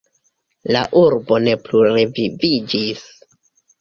La urbo ne plu reviviĝis.